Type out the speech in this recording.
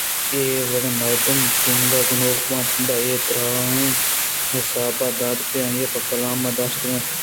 اے وڑا مردم ءِ جند گنوک بیت گڑا اے دُرٛاہیں حساب ءُداد کہ آئیءَ پہ کلام ءَ داشتگ اَنت